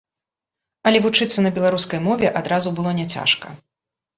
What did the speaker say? Але вучыцца на беларускай мове адразу было няцяжка.